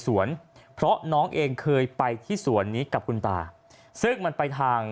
เพราะน้องเองเคยไปที่สวนนี้กับคุณตาซึ่งมันไปทาง